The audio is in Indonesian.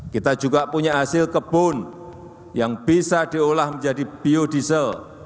kita juga punya hasil kebun yang bisa diolah menjadi biodiesel